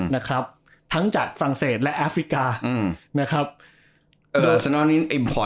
นะครับทั้งจากฝรั่งเศสและแอฟริกาอืมนะครับเอ่อสำหรับนี้